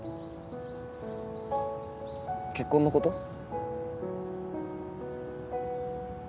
結婚のこと？